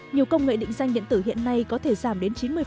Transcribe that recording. nhiều công nghệ định danh điện tử hiện nay có thể giảm đến chín mươi